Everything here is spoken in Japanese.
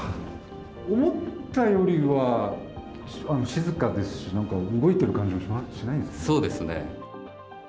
思ったよりは静かですし、動いてる感じはしないですね。